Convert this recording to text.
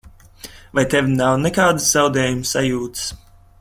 Vai tev nav nekādas zaudējuma sajūtas?